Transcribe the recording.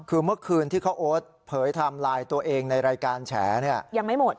คือเมื่อคืนที่เขาโอ๊ตเผยไทม์ไลน์ตัวเองในรายการแฉเนี่ยยังไม่หมด